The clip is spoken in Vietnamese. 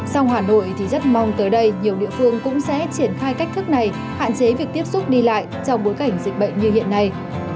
song hà nội thì rất mong tới đây nhiều địa phương cũng sẽ triển khai cách thức này hạn chế việc tiếp xúc đi lại trong bối cảnh dịch bệnh như hiện nay